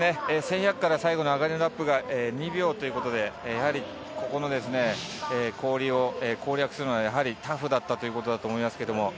１１００ｍから最後の上がりラップが２秒ということで、やはりここの氷を攻略するのはタフだったということだと思います。